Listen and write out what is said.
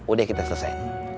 udah kita selesai